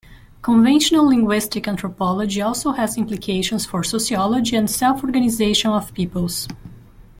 Conventional linguistic anthropology also has implications for sociology and self-organization of peoples.